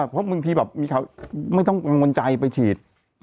เพราะบางทีแบบมีข่าวไม่ต้องกังวลใจไปฉีด